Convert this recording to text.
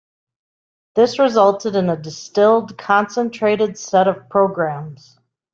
This resulted in a distilled, concentrated set of programs.